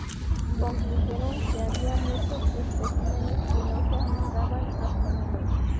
Concluyeron que había muchos especímenes que no se ajustaban a su nombre.